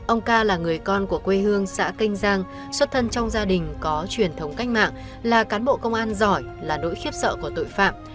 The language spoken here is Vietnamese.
ông ca là người con của quê hương xã kênh giang xuất thân trong gia đình có truyền thống cách mạng là cán bộ công an giỏi là nỗi khiếp sợ của tội phạm